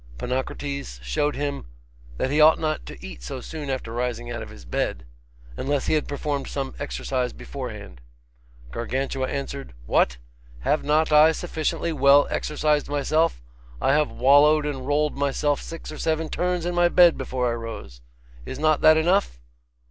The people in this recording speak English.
Ponocrates showed him that he ought not to eat so soon after rising out of his bed, unless he had performed some exercise beforehand. Gargantua answered, What! have not I sufficiently well exercised myself? I have wallowed and rolled myself six or seven turns in my bed before I rose. Is not that enough?